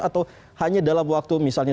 atau hanya dalam waktu misalnya